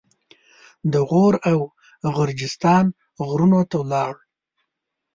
د غور او غرجستان غرونو ته ولاړ.